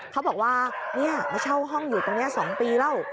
เขาบอกว่ามาเช่าห้องอยู่ตรงนี้๒ปีแล้ว